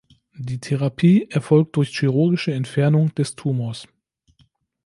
Die Therapie erfolgt durch chirurgische Entfernung des Tumors.